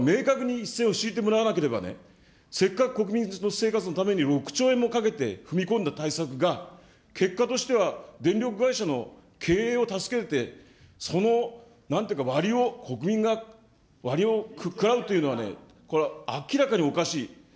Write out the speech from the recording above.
ここは明確に一線を引いてもらわなければならない、せっかく国民の生活のために踏み込んだ対策が結果としては電力会社の経営を助けて、その、なんて言うかそのわりを、国民がわりを食らうというのは、これは明らかにおかしい。